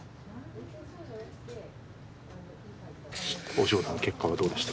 お仕事の結果はどうでした？